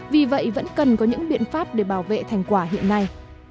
vì vậy vẫn cần có những biện pháp để bảo vệ thành quả hiện nay